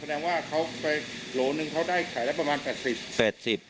แสดงว่าเขาไปโหลหนึ่งเขาได้ขายแล้วประมาณแปดสิบแปดสิบ